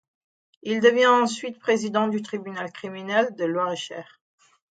Il devient ensuite président du tribunal criminel de Loir-et-Cher.